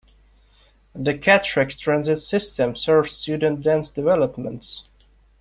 The Cattracks transit system serves student-dense developments.